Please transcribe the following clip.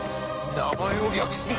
名前を略すな！